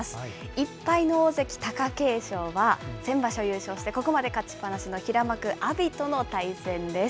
１敗の大関・貴景勝は先場所優勝して、ここまで勝ちっ放しの平幕・阿炎との対戦です。